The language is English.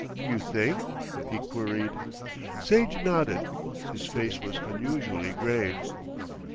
"You think?" he queried. Sage nodded, his face was unusually grave.